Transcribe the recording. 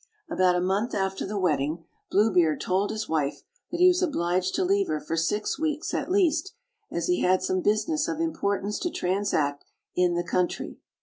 About a month after the wedding Blue Beard told his wife that he was obliged to leave her for six weeks at least, as he had some business of importance to transact jn the country.